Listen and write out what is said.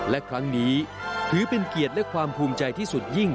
และครั้งนี้ถือเป็นเกียรติและความภูมิใจที่สุดยิ่ง